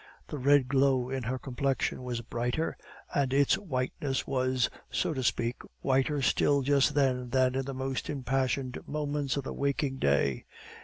The red glow in her complexion was brighter, and its whiteness was, so to speak, whiter still just then than in the most impassioned moments of the waking day.